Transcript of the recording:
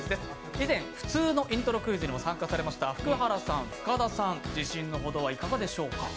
以前普通のイントロクイズに参加されました福原さん、深田さん、自信のほどはいかがでしょうか？